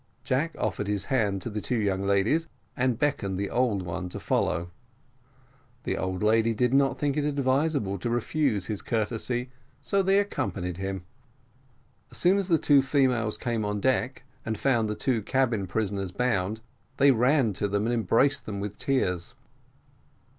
Jack offered his hand to the two young ladies, and beckoned the old one to follow: the old lady did not think it advisable to refuse his courtesy, so they accompanied him. As soon as the females came on deck, and found the two cabin prisoners bound, they ran to them and embraced them with tears.